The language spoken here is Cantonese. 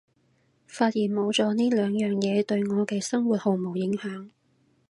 發現冇咗呢兩樣嘢對我嘅生活毫無影響